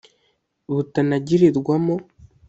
butanaragirwamo